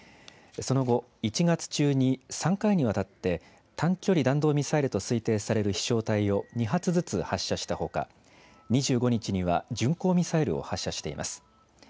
その後、１月中に３回にわたって、短距離弾道ミサイルと推定される飛しょう体を２発ずつ発射したほか、２５日には、巡航ミサイルを発射しています。